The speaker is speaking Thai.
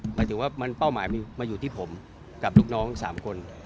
หมายถึงว่ามันเป้าหมายมาอยู่ที่ผมกับลูกน้อง๓คน